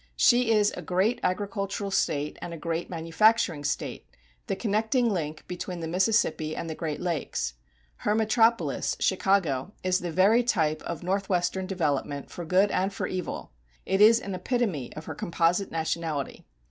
She is a great agricultural State and a great manufacturing State, the connecting link between the Mississippi and the Great Lakes. Her metropolis, Chicago, is the very type of Northwestern development for good and for evil. It is an epitome of her composite nationality.